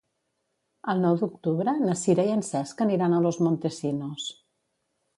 El nou d'octubre na Sira i en Cesc aniran a Los Montesinos.